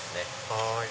はい。